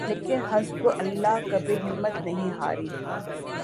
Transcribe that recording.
لیکن Hezbollah کبھی ہمت نہیں ہاری۔